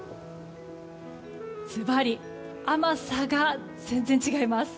ずばり甘さが全然違います。